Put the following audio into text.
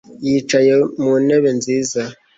Yicaye ku ntebe nzizza